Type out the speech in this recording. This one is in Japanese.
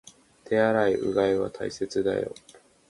手洗い、うがいは大切だよ